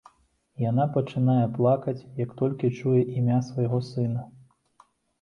Яна пачынае плакаць, як толькі чуе імя свайго сына.